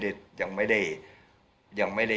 เรียนนิดหนึ่งนะครับชุดท่านโทษภูมิยังไม่ได้